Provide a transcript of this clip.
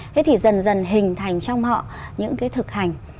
thế thì dần dần hình thành trong họ những cái thực hành